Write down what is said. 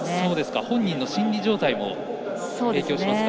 本人の心理状態も影響しますか。